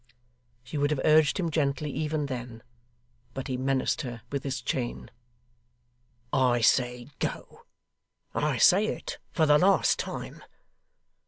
She would have urged him gently, even then, but he menaced her with his chain. 'I say go I say it for the last time.